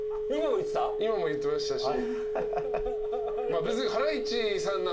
今も言ってましたし。